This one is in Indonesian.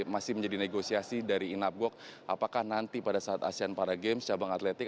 masih menjadi negosiasi dari inapgok apakah nanti pada saat asean para games cabang atletik